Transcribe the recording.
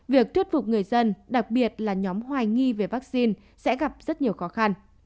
việc thuyết phục người dân đặc biệt là nhóm hoài nghi về vaccine sẽ gặp rất nhiều khó khăn